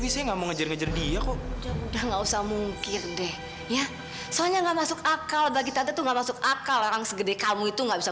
sampai jumpa di video selanjutnya